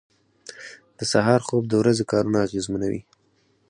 • د سهار خوب د ورځې کارونه اغېزمنوي.